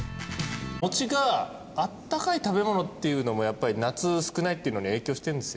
もちがあったかい食べ物っていうのもやっぱり夏少ないっていうのに影響してるんですよね多分ね。